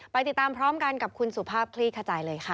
ติดตามพร้อมกันกับคุณสุภาพคลี่ขจายเลยค่ะ